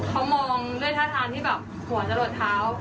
เขามองด้วยท่าทางที่แบบหัวจะหลดเท้า